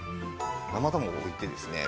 生卵を置いてですね